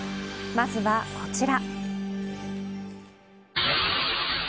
まずはこちら。